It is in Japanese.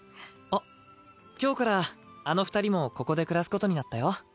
あっ今日からあの二人もここで暮らすことになったよ。